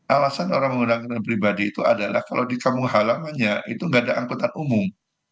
alasan orang menggunakan kendaraan pribadi itu adalah kalau di kampung halamannya itu nggak ada angkutan umum